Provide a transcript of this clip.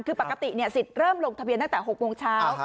คือปกติสิทธิ์เริ่มลงทะเบียนตั้งแต่๖โมงเช้า